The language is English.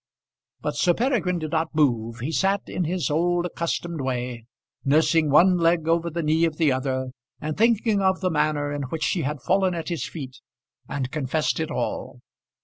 But Sir Peregrine did not move. He sat in his old accustomed way, nursing one leg over the knee of the other, and thinking of the manner in which she had fallen at his feet, and confessed it all.